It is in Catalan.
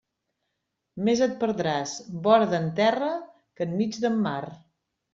Més et perdràs vora d'en terra que enmig d'en mar.